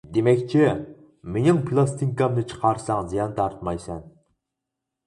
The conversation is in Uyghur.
دېمەكچى، مېنىڭ پىلاستىنكامنى چىقارساڭ زىيان تارتمايسەن.